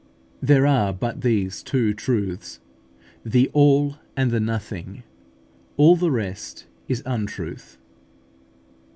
There are but these two truths, the ALL and the NOTHING. All the rest is untruth.